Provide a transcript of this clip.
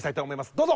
どうぞ！